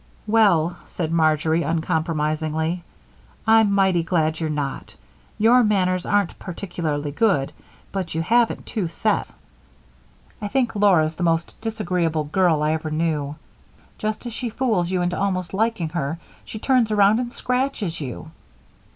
"Well," said Marjory, uncompromisingly, "I'm mighty glad you're not. Your manners aren't particularly good, but you haven't two sets. I think Laura's the most disagreeable girl I ever knew. Just as she fools you into almost liking her, she turns around and scratches you."